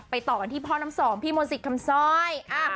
ไปต่อกันที่พ่อน้ำสองพี่โมสิกคำซอย